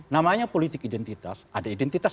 namanya politik identitas ada identitas